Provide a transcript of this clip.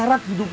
sakti lu pak